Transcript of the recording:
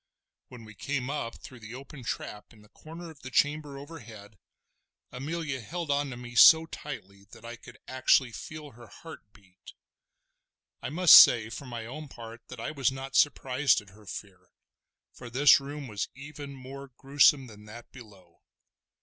When we came up through the open trap in the corner of the chamber overhead, Amelia held on to me so tightly that I could actually feel her heart beat. I must say for my own part that I was not surprised at her fear, for this room was even more gruesome than that below.